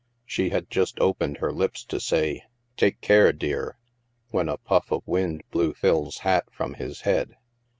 She had just opened her lips to say, " Take care, dear," when a puff of wind blew Phil's hat from his head.